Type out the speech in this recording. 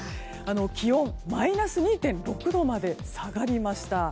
気温がマイナス２．６度まで下がりました。